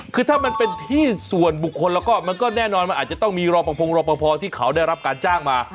คือถ้ามันเป็นที่ส่วนบุคคลแล้วก็มันก็แน่นอนมันอาจจะต้องมีรอปภงรอปภที่เขาได้รับการจ้างมา